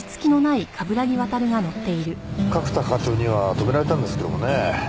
角田課長には止められたんですけどもね。